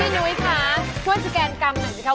นุ้ยคะช่วยสแกนกรรมหน่อยไหมคะ